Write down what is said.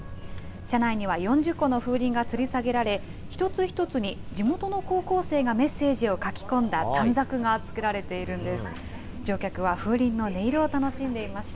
車内では４０個の風鈴がつり下げられ１つ１つに地元の高校生がメッセージを書き込んだ短冊が作られているんです。